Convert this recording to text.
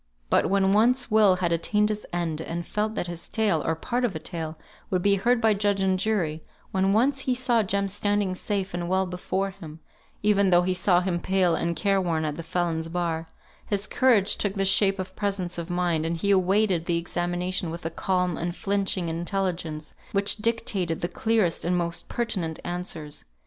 But when once Will had attained his end, and felt that his tale, or part of a tale, would be heard by judge and jury; when once he saw Jem standing safe and well before him (even though he saw him pale and care worn at the felon's bar); his courage took the shape of presence of mind, and he awaited the examination with a calm, unflinching intelligence, which dictated the clearest and most pertinent answers.